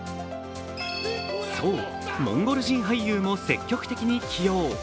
そう、モンゴル人俳優も積極的に起用。